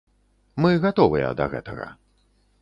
Мы гатовыя да гэтага.